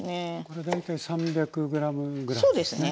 これ大体３００ｇぐらいですね。